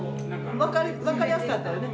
分かりやすかったよね